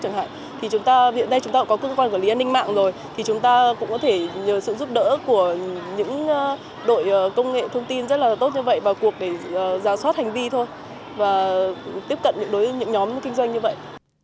hiện nay chúng ta cũng có cơ quan quản lý an ninh mạng rồi thì chúng ta cũng có thể nhờ sự giúp đỡ của những đội công nghệ thông tin rất là tốt như vậy vào cuộc để giả soát hành vi thôi và tiếp cận đối với những nhóm kinh doanh như vậy